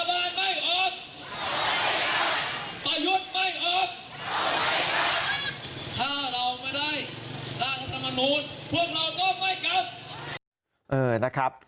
ถ้าเราไม่ได้รัฐธรรมนูญพวกเราต้องไม่กลับ